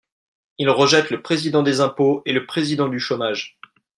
Ils rejettent le Président des impôts et le Président du chômage.